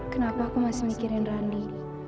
kenapa aku masih mikirin randi